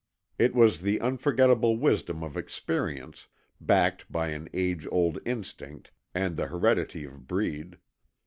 It was the unforgettable wisdom of experience backed by an age old instinct and the heredity of breed.